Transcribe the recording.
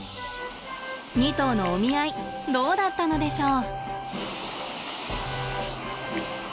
２頭のお見合いどうだったのでしょう？